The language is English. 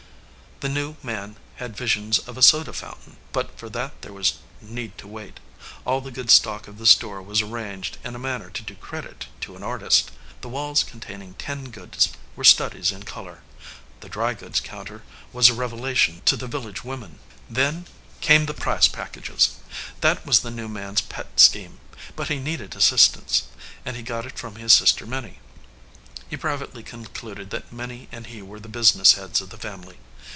The new man had visions of a soda foun tain, but for that there was need to wait. All the good stock of the store was arranged in a manner to do credit to an artist. The walls containing tinned goods were studies in color. The dry goods counter was a revelation to the village women. Then came the prize packages ! That was the new man s pet scheme: but he needed assistance, and he got it from his sister Minnie. He privately concluded that Minnie and he were the business heads of the family.